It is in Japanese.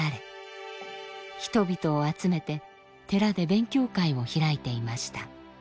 人々を集めて寺で勉強会を開いていました。